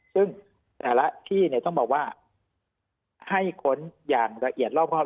ซึ่งแต่ละที่ต้องบอกว่าให้ค้นอย่างละเอียดรอบครอบ